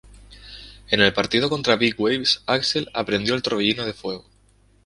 En el partido contra Big Waves, Axel aprendió el Torbellino de Fuego.